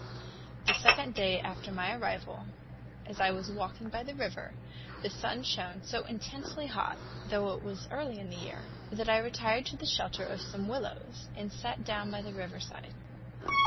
The second day after my arrival, as I was walking by the river, the sun shone so intensely hot (though it was early in the year), that I retired to the shelter of some willows, and sat down by the river side.